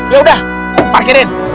ya udah parkirin